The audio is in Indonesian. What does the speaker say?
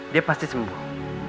dia pasti sembuh